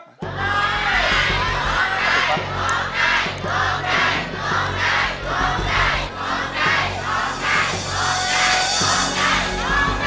ร้องได้ร้องได้ร้องได้ร้องได้ร้องได้ร้องได้